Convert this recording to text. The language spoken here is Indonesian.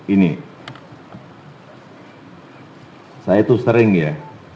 ini saya itu sering ya